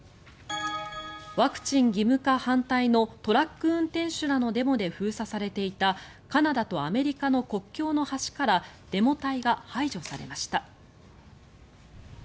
ワクチン義務化反対のトラック運転手らのデモで封鎖されていたカナダとアメリカの国境の橋からデモ隊が排除されました。